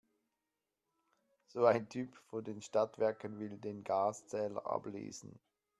So ein Typ von den Stadtwerken will den Gaszähler ablesen.